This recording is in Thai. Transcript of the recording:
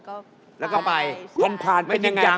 ก็มีบ้างค่ะเขาเข้ามาแบบผ่าน